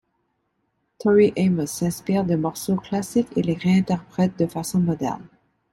Tori Amos s'inspire de morceaux classiques et les réinterprète de façon moderne.